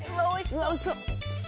うわおいしそう。